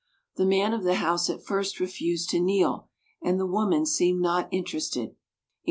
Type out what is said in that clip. The man of the house at first refused to kneel and the woman seemed not interested.